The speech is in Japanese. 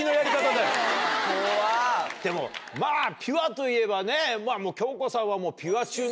まぁピュアといえばね京子さんはもう。